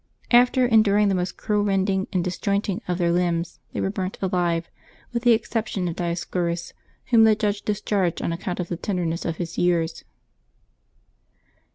After en during the most cruel rending and disjointing of their limbs, they were burnt alive, with the exception of Dios corus, whom the judge discharged on account of the ten derness of his years.